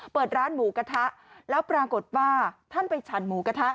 เปิดร้านหมูกระทะแล้วปรากฏว่าท่านไปฉันหมูกระทะ